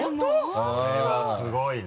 それはすごいね。